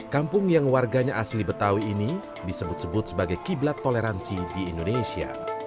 kampung yang warganya asli betawi ini disebut sebut sebagai kiblat toleransi di indonesia